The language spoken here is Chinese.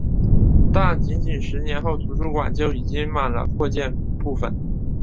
但仅仅十年后图书馆就已用满了扩建部分。